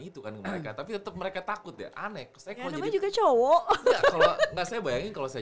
itu kan mereka tapi tetap mereka takut ya aneh saya kalau jadi cowok saya bayangin kalau saya